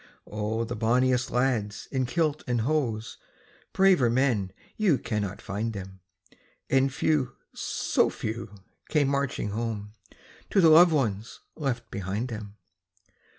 Oh, the bonniest lads in kilt and hose Braver men, you cannot find them And few, so few, came marching home To the loved ones left behind them.